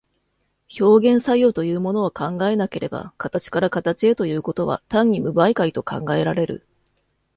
表現作用というものを考えなければ、形から形へということは単に無媒介と考えられる。